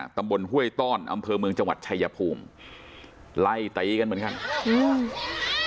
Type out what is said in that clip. ตำบลห้วยต้อนอำเภอเมืองจังหวัดชายภูมิไล่ตีกันเหมือนกันอืม